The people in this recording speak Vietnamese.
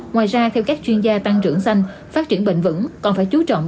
ngoài ra theo các chuyên gia tăng trưởng xanh phát triển bền vững còn phải chú trọng